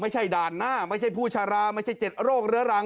ด่านหน้าไม่ใช่ผู้ชาราไม่ใช่๗โรคเรื้อรัง